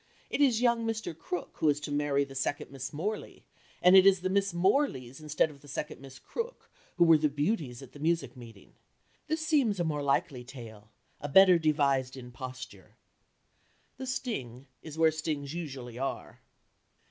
It is young Mr. Crook who is to marry the second Miss Morley, and it is the Miss Morleys instead of the second Miss Crook who were the beauties at the music meeting. This seems a more likely tale, a better devised imposture." The sting is where stings usually are.